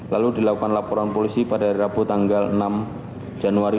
lalu dilakukan perlaburan polisi pada rabu tanggal enam januari dua ribu enam belas